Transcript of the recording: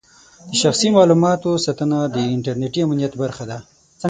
د شخصي معلوماتو ساتنه د انټرنېټي امنیت برخه ده.